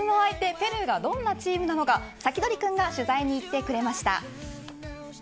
ペルーがどんなチームなのかサキドリくんが取材に行ってくれました。